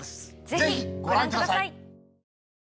ぜひご覧ください